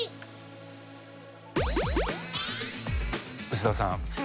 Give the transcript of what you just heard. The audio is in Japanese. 臼田さん